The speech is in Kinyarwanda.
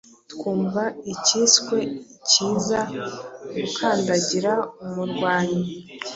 Twumva icyiswe cyiza gukandagira umurwanyi